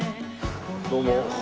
どうも。